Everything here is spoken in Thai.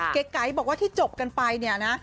เก๋ไก๋บอกว่าที่จบกันไปเนี่ยนะ